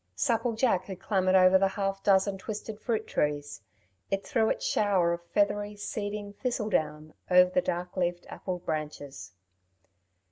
Supple jack had clambered over the half dozen twisted fruit trees; it threw its shower of feathery, seeding thistle down over the dark leafed apple branches.